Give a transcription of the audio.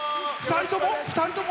２人とも？